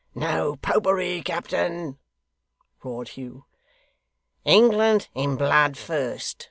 'No Popery, captain!' roared Hugh. 'England in blood first!